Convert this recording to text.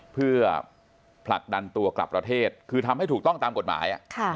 เพื่อผลักดันตัวกลับประเทศคือทำให้ถูกต้องตามกฎหมาย